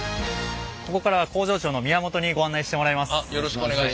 ここからは工場長の宮本にご案内してもらいます。